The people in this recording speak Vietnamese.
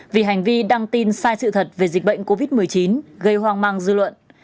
vì hành vi đăng tin sai sự thật về dịch bệnh covid một mươi chín gây hoang mang dư luận